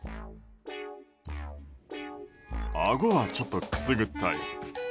あごは、ちょっとくすぐったい。